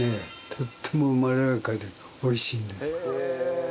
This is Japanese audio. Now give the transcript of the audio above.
とってもまろやかで美味しいんです。